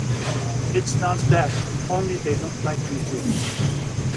It’s not that — only they don’t like me to.